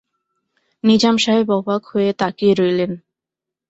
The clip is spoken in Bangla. নিজাম সাহেব অবাক হয়ে তাকিয়ে রইলেন।